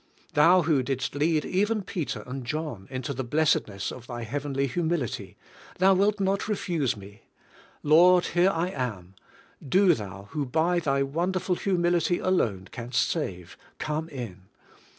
Thou who didst lead even Peter and John into the blessedness of Thy heavenly humility; Thou wilt not refuse me. Lord, here I am; do Thou, who by Thy wonderful humility alone canst save, come in.